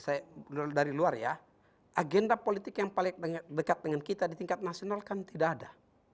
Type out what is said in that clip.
saya dari luar ya agenda politik yang paling dekat dengan kita di tingkat nasional kan tidak ada